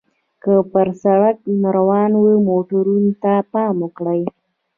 که پر سړک روانو موټرو ته پام وکړئ.